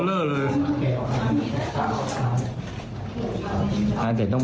อร่อยครับ